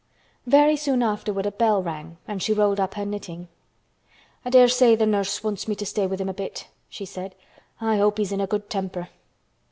Very soon afterward a bell rang and she rolled up her knitting. "I dare say th' nurse wants me to stay with him a bit," she said. "I hope he's in a good temper."